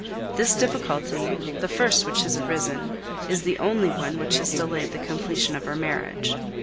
This difficulty, the first which has arisen, is the only one which has delayed the completion of our marriage.